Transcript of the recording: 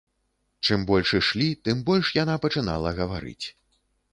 Чым больш ішлі, тым больш яна пачынала гаварыць.